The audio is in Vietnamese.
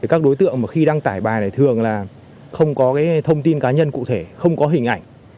các đối tượng khi đăng tải bài thường không có thông tin cá nhân cụ thể không có hình ảnh